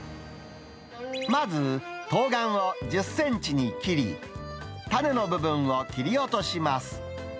まず、トウガンを１０センチに切り、種の部分を切り落とします。